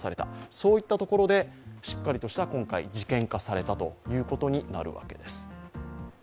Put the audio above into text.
そういったところで、今回しっかりとした事件化されたということになるわけです。